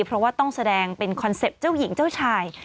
เพราะว่าต้องแสดงเป็นคอนเซ็ปต์เจ้าหญิงเจ้าชาย